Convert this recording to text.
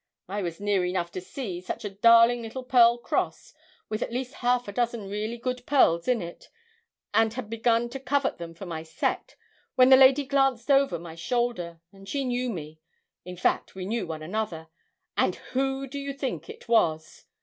I was near enough to see such a darling little pearl cross, with at least half a dozen really good pearls in it, and had begun to covet them for my set, when the lady glanced over my shoulder, and she knew me in fact, we knew one another and who do you think she was?